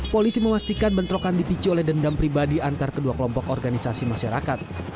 polisi memastikan bentrokan dipicu oleh dendam pribadi antar kedua kelompok organisasi masyarakat